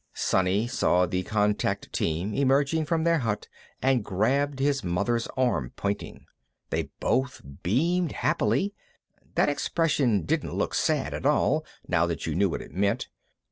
Sonny saw the contact team emerging from their hut and grabbed his mother's arm, pointing. They both beamed happily; that expression didn't look sad, at all, now that you knew what it meant.